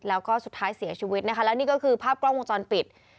แล้วก็สุดท้ายเสียชีวิตนะคะแล้วนี่ก็คือภาพกล้องวงจรปิด